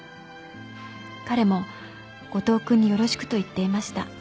彼も五島君によろしくと言っていました」